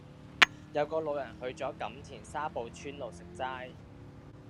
有個老人去左錦田沙埔村路食齋